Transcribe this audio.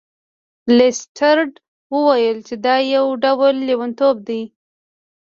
لیسټرډ وویل چې دا یو ډول لیونتوب دی.